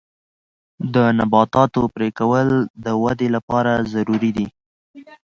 د نباتاتو پرې کول د ودې لپاره ضروري دي.